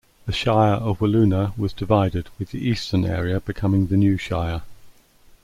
The Shire of Wiluna was divided with the eastern area becoming the new Shire.